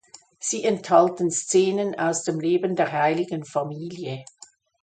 Sie enthalten Szenen aus dem Leben der Heiligen Familie.